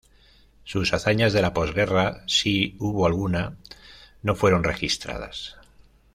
Sus hazañas de la posguerra, si hubo alguna, no fueron registradas.